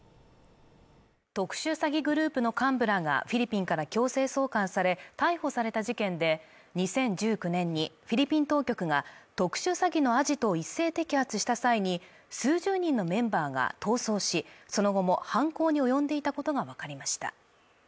特殊詐欺グループの幹部らがフィリピンから強制送還され逮捕された事件で２０１９年にフィリピン当局が特殊詐欺のアジトを一斉摘発した際に数十人のメンバーが逃走しその後も犯行に及んでいたことが分かりました